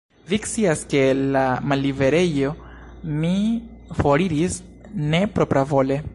Vi scias, ke el la malliberejo mi foriris ne propravole.